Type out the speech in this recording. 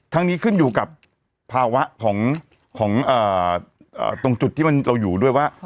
ทั้งนี้ขึ้นอยู่กับภาวะของของอ่าอ่าตรงจุดที่มันเราอยู่ด้วยว่า